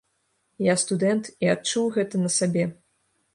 Я студэнт і адчуў гэта на сабе.